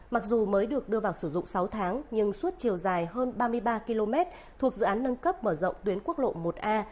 mặc dù mới được đưa vào sử dụng sáu tháng nhưng suốt chiều dài hơn ba mươi ba km thuộc dự án nâng cấp mở rộng tuyến quốc lộ một a